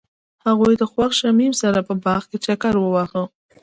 هغوی د خوښ شمیم سره په باغ کې چکر وواهه.